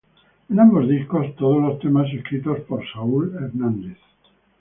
En ambos discos, todos los temas escritos por Saúl Hernández.